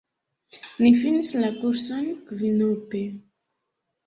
Ni finis la kurson kvinope.